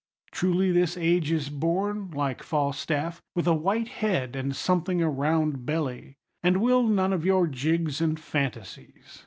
Truly this age is born, like Falstaff, with a white head and something a round belly: and will none of your jigs and fantasies.